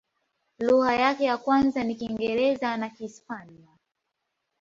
Lugha yake ya kwanza ni Kiingereza na Kihispania.